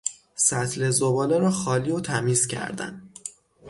سطل زباله را خالی و تمیز کردن